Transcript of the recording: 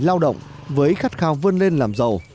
lao động với khát khao vươn lên làm giàu